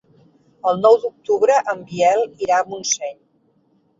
El nou d'octubre en Biel irà a Montseny.